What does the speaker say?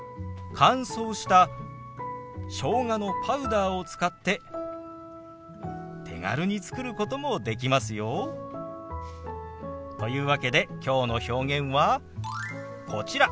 乾燥したしょうがのパウダーを使って手軽に作ることもできますよ。というわけできょうの表現はこちら。